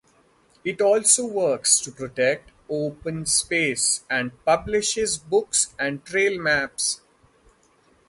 It also works to protect open space and publishes books and trail maps.